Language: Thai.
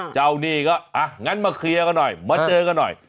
หนี้ก็อ่ะงั้นมาเคลียร์กันหน่อยมาเจอกันหน่อย